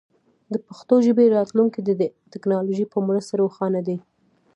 د پښتو ژبې راتلونکی د دې ټکنالوژۍ په مرسته روښانه دی.